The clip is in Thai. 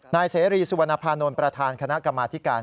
นายเสรีสุวรรณภานนท์ประธานคณะกรรมาธิการ